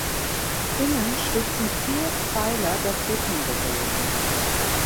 Innen stützen vier Pfeiler das Deckengewölbe.